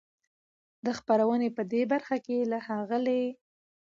د خپرونې په دې برخه کې له ښاغلي